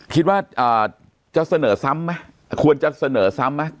คิดว่าจะเสนอซ้ำไหมควรจะเสนอซ้ำไหม